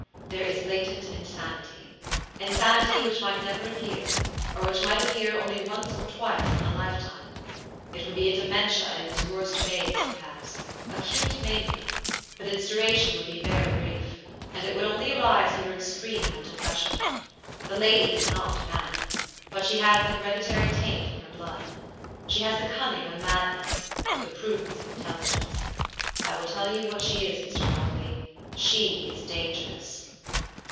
There is latent insanity! Insanity which might never appear; or which might appear only once or twice in a lifetime. It would be a dementia in its worst phase, perhaps; acute mania; but its duration would be very brief, and it would only arise under extreme mental pressure. The lady is not mad; but she has the hereditary taint in her blood. She has the cunning of madness, with the prudence of intelligence. I will tell you what she is, Mr. Audley. She is dangerous!"